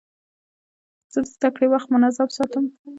زه د زدهکړې وخت منظم ساتم.